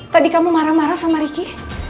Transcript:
tadi kamu marah marah sama ricky